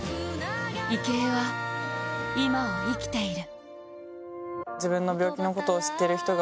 池江は今を生きている。